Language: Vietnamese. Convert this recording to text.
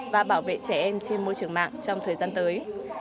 và bảo vệ trẻ em trên môi trường mạng trong thời gian tới